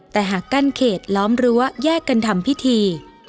แต่หากกั้นเขตล้อมรั้วแยกกันทำพิธี